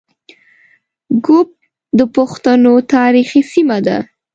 ږوب د پښتنو تاریخي سیمه ده